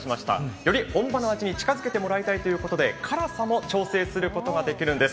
より本場の味に近づけてもらいたいということで、辛さも調整することができるんです。